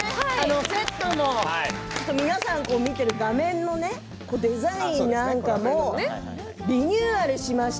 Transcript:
セットも皆さん見ている画面のデザインなんかもリニューアルしました。